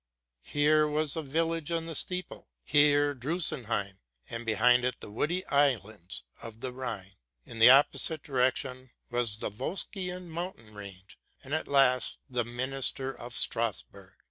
Here was the village and the steeple, here Drusenheim, and behind it the woody islands of the Rhine: in the opposite direction was the Vosgian mountain range, and at last the minster of Strasburg.